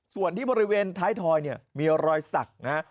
ส่วนที่บริเวณท้ายทอยเนี่ยมีรอยสักนะฮะ